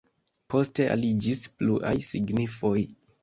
Poste aliĝis pluaj signifoj.